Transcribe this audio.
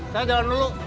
saya jalan dulu